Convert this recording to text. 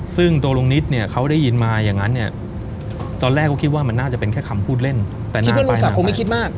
ซึ่งตัวลุงนิดเนี่ยเขาได้ยินมาอย่างนั้นเนี่ยตอนแรกเขาคิดว่ามันน่าจะเป็นแค่คำพูดเล่นแต่นี่คิดว่าลุงศักดิ์ไม่คิดมาก